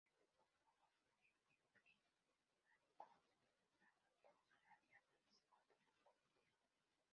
Finalmente, Jrushchov fue con Georgi Malenkov a Yugoslavia, donde se encontraron con Tito.